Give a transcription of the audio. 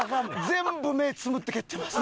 全部目つむって蹴ってます。